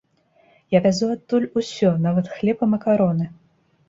Я вязу адтуль усё, нават хлеб і макароны.